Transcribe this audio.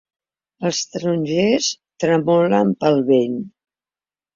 Els tarongers tremolen pel vent.